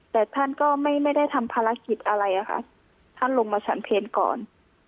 แต่ท่านก็ไม่ได้ทำภารกิจอะไรอะค่ะท่านลงมาฉันเพลก่อน